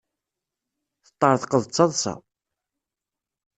Teṭṭerḍqeḍ d taḍsa.